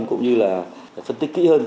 cũng như là phân tích kỹ hơn